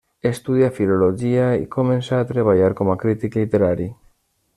Estudià filologia i començà a treballar com a crític literari.